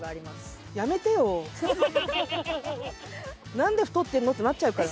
何で太ってんの？ってなっちゃうから。